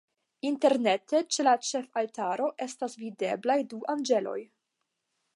Interne ĉe la ĉefaltaro estas videblaj du anĝeloj.